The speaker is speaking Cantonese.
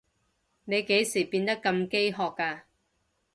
你幾時變到咁飢渴㗎？